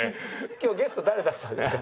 「今日ゲスト誰だったんですか？」。